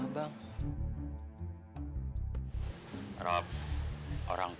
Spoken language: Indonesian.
kita udah hati hati